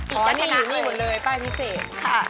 ขอนี่อยู่นี่หมดเลยป้ายพิเศษค่ะ